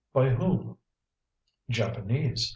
By whom?" "Japanese.